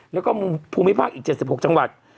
แล้วก็ภูมิภาคอีก๗๖จังหวัด